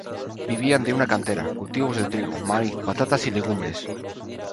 Vivían de una cantera, cultivos de trigo, maíz, patatas y legumbres.